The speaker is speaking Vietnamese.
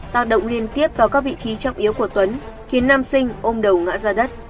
tạo động liên tiếp vào các vị trí trọng yếu của tuấn khiến nam sinh ôm đầu ngã ra đất